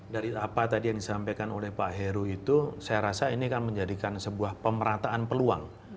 dari apa tadi yang disampaikan oleh pak heru itu saya rasa ini akan menjadikan sebuah pemerataan peluang